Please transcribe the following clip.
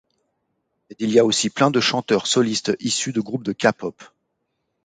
Mais il y a aussi plein de chanteurs solistes issus de groupes de K-pop.